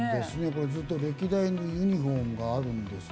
これ、ずっと歴代のユニホームがあるんです。